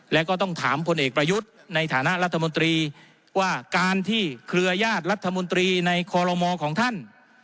และก็ต้องถามพลเอกประยุทธ์ในฐานะรัฐมนตรีว่าการที่เครือญาติรัฐมนตรีในคอลโลมอของท่าน